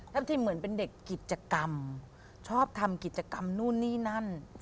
แล้วทีมเหมือนเป็นเด็กกิจกรรมชอบทำกิจกรรมนู่นนี่นั่น